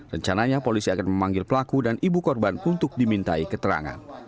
rencananya polisi akan memanggil pelaku dan ibu korban untuk dimintai keterangan